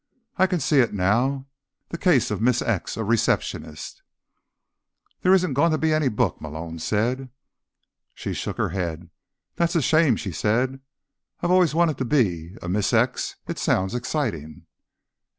"I can see it now: The Case of Miss X, a Receptionist." "There isn't going to be any book," Malone said. She shook her head. "That's a shame," she said. "I've always wanted to be a Miss X. It sounds exciting."